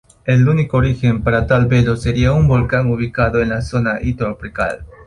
El único origen para tal velo sería un volcán ubicado en la zona intertropical.